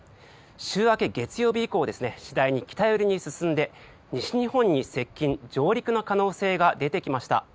週明け月曜日以降次第に北寄りに進んで西日本に接近・上陸の可能性が出てきました。